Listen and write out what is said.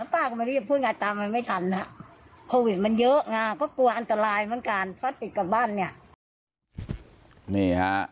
ป้าก็เยอะนะกลัวอันตราย